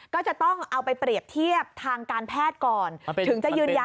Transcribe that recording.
ก็จะต้องเอาไปเปรียบเทียบทางการแพทย์ก่อนถึงจะยืนยัน